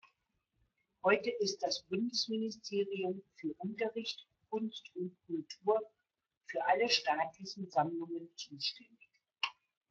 Heute ist das Bundesministerium für Unterricht, Kunst und Kultur für alle staatlichen Sammlungen zuständig.